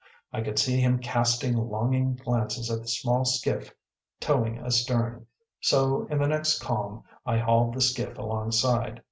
I could see him casting longing glances at the small skiff towing astern, so in the next calm I hauled the skiff alongside.